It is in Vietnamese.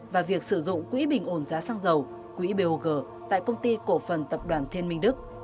và việc sử dụng quỹ bình ổn giá xăng dầu quỹ bog tại công ty cổ phần tập đoàn thiên minh đức